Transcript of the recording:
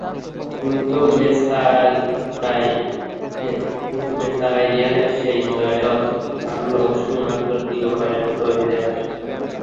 কিন্তু মেস্তায়ায় রিয়ালের সেই জয়রথ থামল মৌসুমে মাত্র তৃতীয়বারের মতো হেরে বসায়।